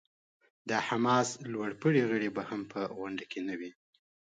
د حماس لوړ پوړي غړي به هم په غونډه کې نه وي.